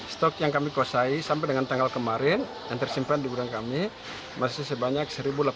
stok yang kami kuasai sampai dengan tanggal kemarin yang tersimpan di gudang kami masih sebanyak satu delapan ratus